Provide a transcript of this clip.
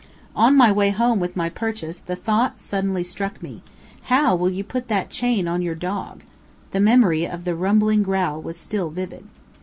On my way home with my purchase the thought suddenly struck me, How will you put that chain on your dog? The memory of the rumbling growl was still vivid.